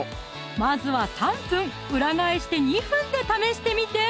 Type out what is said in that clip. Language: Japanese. まずは３分裏返して２分で試してみて！